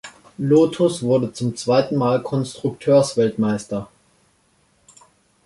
Lotus wurde zum zweiten Mal Konstrukteursweltmeister.